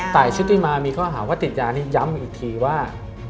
ชุติมามีข้อหาว่าติดยานี่ย้ำอีกทีว่า